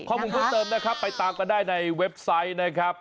ข้อมูลเพิ่มเติมนะครับไปตามกันได้ในเว็บไซต์นะครับ